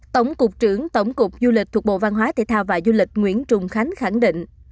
tổng cục trưởng tổng cục du lịch thuộc bộ văn hóa thể thao và du lịch nguyễn trùng khánh khẳng định